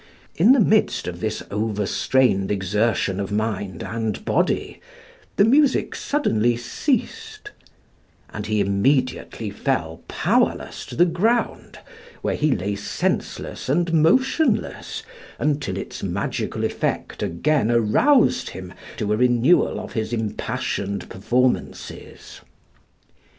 In the midst of this over strained exertion of mind and body the music suddenly ceased, and he immediately fell powerless to the ground, where he lay senseless and motionless until its magical effect again aroused him to a renewal of his impassioned performances.